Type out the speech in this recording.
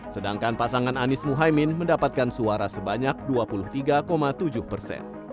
sedangkan pasangan anies muhaymin mendapatkan suara sebanyak dua puluh tiga tujuh persen